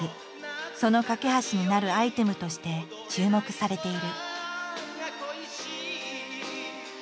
その懸け橋になるアイテムとして注目されている。